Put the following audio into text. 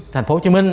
thành phố hồ chí minh